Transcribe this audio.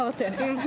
うん。